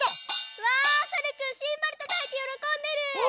うわさるくんシンバルたたいてよろこんでる！